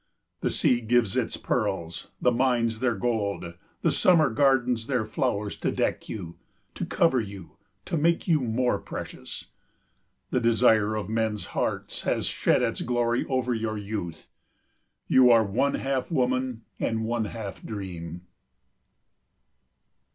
The sea gives its pearls, the mines their gold, the summer gardens their flowers to deck you, to cover you, to make you more precious. The desire of men's hearts has shed its glory over your youth. You are one half woman and one half dream.